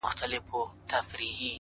صبر د هیلو ونې خړوبوي،